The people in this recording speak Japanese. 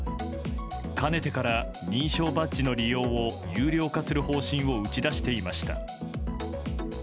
かねてから認証バッジの利用を有料化する方針を打ち出していました。